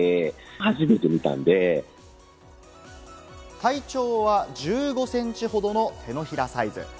体長は１５センチほどの手のひらサイズ。